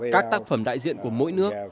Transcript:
các tác phẩm đại diện của mỗi nước